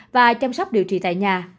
và chăm sóc điều trị tại nhà